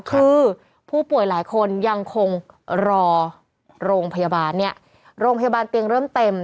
คือผู้ป่วยหลายคนยังคงรอโรงพยาบาลเนี่ยโรงพยาบาลเตียงเริ่มเต็ม